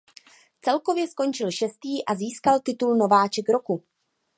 Celkově skončil šestý a získal titul Nováček roku.